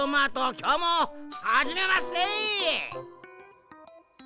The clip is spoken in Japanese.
きょうもはじめまっせ！